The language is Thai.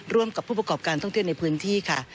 ร่วมกับผู้ประกอบการท่องเที่ยวในพื้นที่ค่ะ